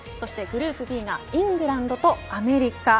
そしてグループＢがイングランドとアメリカ。